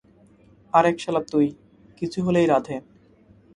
আর এক শালা তুই, কিছু হলেই রাধে!